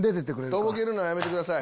とぼけるのはやめてください！